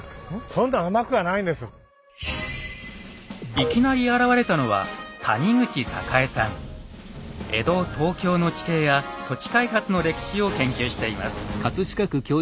いきなり現れたのは江戸東京の地形や土地開発の歴史を研究しています。